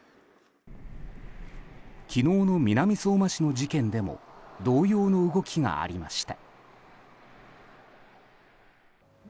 昨日の南相馬市の事件でも同様の動きがありました。